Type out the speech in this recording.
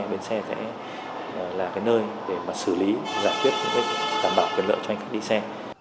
bến xe sẽ là cái nơi để mà xử lý giải quyết những cái đảm bảo quyền lợi cho hành khách đi xe